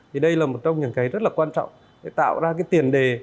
thì đây là một trong những cái rất là quan trọng để tạo ra cái tiền đề